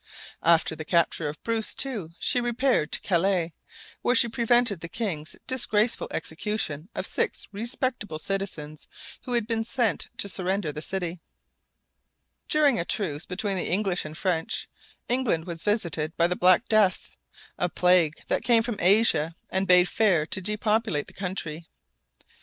After the capture of Bruce, too, she repaired to Calais, where she prevented the king's disgraceful execution of six respectable citizens who had been sent to surrender the city. [Illustration: A CLOSE CALL FOR THE SIX CITIZENS OF CALAIS.] During a truce between the English and French, England was visited by the Black Death, a plague that came from Asia and bade fair to depopulate the country.